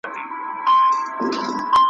دوی هڅه کوي چي د همدې شخص یې وښيي ,